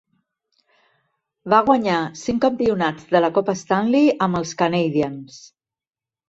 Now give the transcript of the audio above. Va guanyar cinc campionats de la Copa Stanley amb els Canadiens.